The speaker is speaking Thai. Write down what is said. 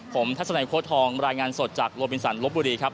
ผมทัศนัยโค้ดทองรายงานสดจากโลบินสันลบบุรีครับ